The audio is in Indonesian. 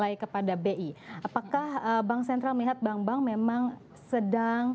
likuiditas pasar itu ada